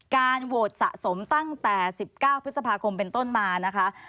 การโหวตสะสมตั้งแต่๑๙พฤษภาคมเป็นต้นมานะคะ